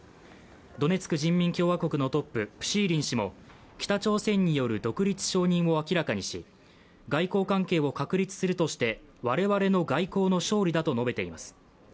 ドネツク人民共和国のトッププシーリン氏も、北朝鮮による独立承認を明らかにし、外交関係を確立するとして我々の外交の勝利だと述べています。